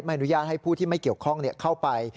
อนุญาตให้ผู้ที่ไม่เกี่ยวข้องเข้าไป